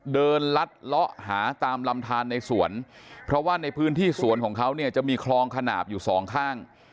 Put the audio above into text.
ลัดเลาะหาตามลำทานในสวนเพราะว่าในพื้นที่สวนของเขาเนี่ยจะมีคลองขนาดอยู่สองข้าง